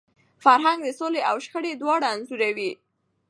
فرهنګ د سولي او شخړي دواړه انځوروي.